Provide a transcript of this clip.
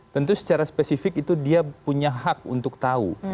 tentu secara spesifik itu dia punya hak untuk tahu